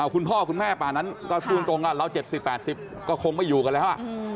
คุณพ่อคุณแม่ป่านั้นก็พูดตรงเรา๗๐๘๐ก็คงไม่อยู่กันแล้ว